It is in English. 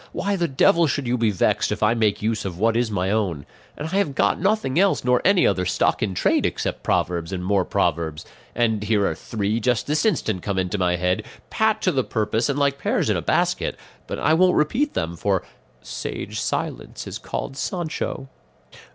Why the devil should you be vexed if I make use of what is my own? And I have got nothing else, nor any other stock in trade except proverbs and more proverbs; and here are three just this instant come into my head, pat to the purpose and like pears in a basket; but I won't repeat them, for 'sage silence is called Sancho.